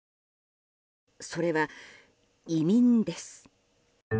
それは移民です。